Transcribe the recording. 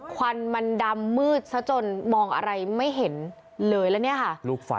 ควันมันดำมืดซะจนมองอะไรไม่เห็นเลยแล้วเนี่ยค่ะ